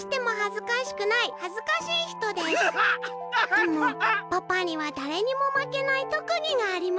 「でもパパにはだれにもまけないとくぎがあります。